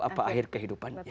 apa akhir kehidupannya